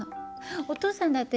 お父さんだってね